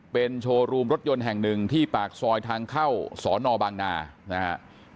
เป็นโชว์รูมรถยนต์แห่งหนึ่งที่ปากซอยทางเข้าสอนอบางนานะฮะ